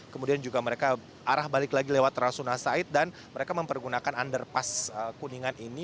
kemudian juga mereka arah balik lagi lewat rasuna said dan mereka mempergunakan underpass kuningan ini